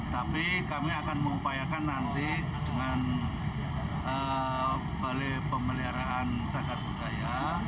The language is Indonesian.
tapi kami akan mengupayakan nanti dengan balai pemeliharaan cagar budaya